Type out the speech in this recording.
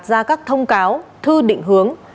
ra các thông cáo thư định hướng